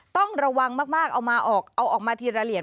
ต้องระวังมากเอามาทีละเหรียญ